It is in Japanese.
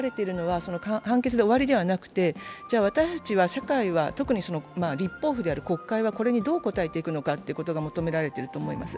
今問われているのは、判決で終わりではなくて、じゃあ、私たちは社会は、特に立法府である国会は、これにどう応えていくのかが求められてると思います。